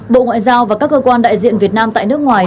bộ ngoại giao và các cơ quan đại diện việt nam tại nước ngoài